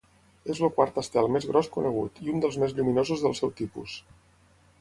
És el quart estel més gros conegut, i un dels més lluminosos del seu tipus.